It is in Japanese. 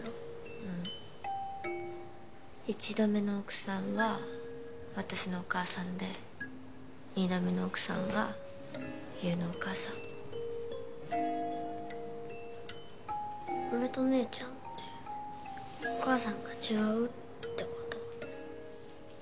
うん一度目の奥さんは私のお母さんで二度目の奥さんは優のお母さん俺と姉ちゃんってお母さんが違うってこと？